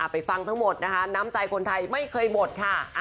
ฟังทั้งหมดนะคะน้ำใจคนไทยไม่เคยหมดค่ะ